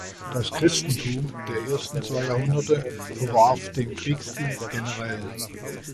Das Christentum der ersten zwei Jahrhunderte verwarf den Kriegsdienst generell.